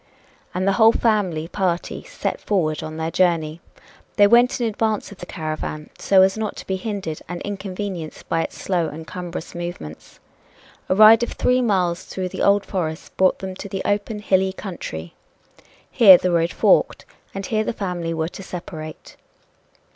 And the whole family party set forward on their journey. They went in advance of the caravan so as not to be hindered and inconvenienced by its slow and cumbrous movements. A ride of three miles through the old forest brought them to the open, hilly country. Here the road forked. And here the family were to separate.